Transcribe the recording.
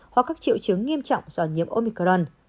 hoặc các triệu chứng nghiêm trọng do nhiễm omicron